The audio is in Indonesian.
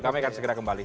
kami akan segera kembali